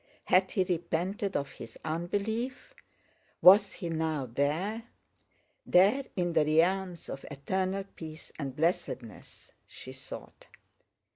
Had he repented of his unbelief? Was he now there? There in the realms of eternal peace and blessedness?" she thought.